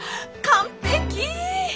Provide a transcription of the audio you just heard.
完璧！